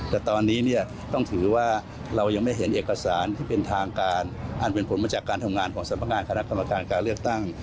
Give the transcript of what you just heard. แต่ตอนนี้เนี่ยต้องถือว่าเรายังไม่เห็นเอกสารที่เป็นทางการอันเป็นผลมาจากการทำงานของสำนักงานคณะกรรมการการเลือกตั้ง